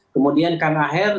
kemudian kan akhir